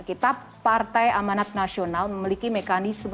kita partai amanat nasional memiliki mekanisme